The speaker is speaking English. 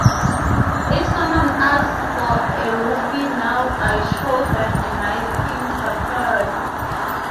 If someone asks for a ruby now I show them a nice pink sapphire.